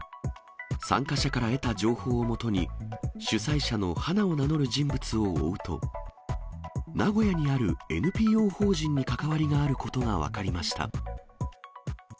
参加者から得た情報をもとに、主催者の花を名乗る人物を追うと、名古屋にあるＮＰＯ法人に関わりがあることが分かりました。